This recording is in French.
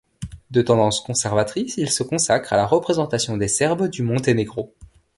De tendance conservatrice, il se consacre à la représentation des serbes du Monténégro.